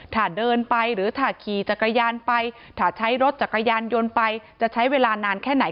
ถ้าเดินไปหรือถ้าขี่จักรยานไปถ้าใช้รถจักรยานยนต์ไปจะใช้เวลานานแค่ไหน